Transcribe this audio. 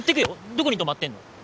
どこに泊まってんの？